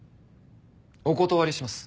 お断りします。